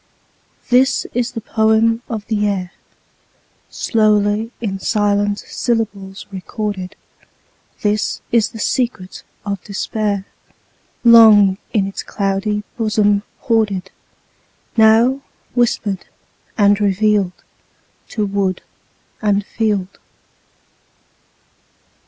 This is the poem of the air, Slowly in silent syllables recorded; This is the secret of despair, Long in its cloudy bosom hoarded, Now whispered and revealed To wood and field.